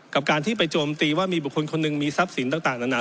กับการที่ไปโจมตีว่ามีบุคคลคนหนึ่งมีทรัพย์สินต่างนานา